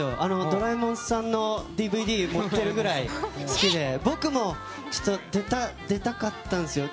「ドラえもん」のＤＶＤを持っているぐらい僕も出たかったんですよ。